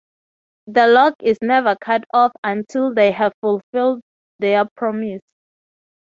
The lock is never cut off until they have fulfilled their promise.